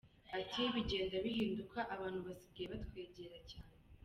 Ati “Bigenda bihinduka, abantu basigaye batwegera cyane.